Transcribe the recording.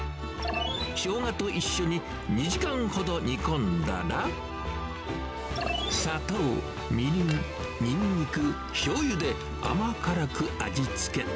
しょうがと一緒に２時間ほど煮込んだら、砂糖、みりん、にんにく、しょうゆで甘辛く味付け。